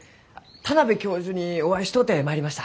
田邊教授にお会いしとうて参りました。